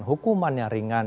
hukuman yang ringan